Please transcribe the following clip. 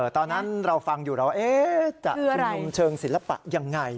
ตอนนั้นเราฟังอยู่เราจะชุมนุมเชิงศิลปะยังไง